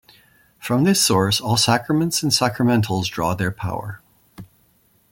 From this source all sacraments and sacramentals draw their power.